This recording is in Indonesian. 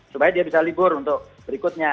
supaya dia bisa libur untuk berikutnya